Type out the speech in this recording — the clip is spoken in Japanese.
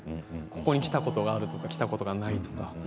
ここに来たことがあるとかないとか。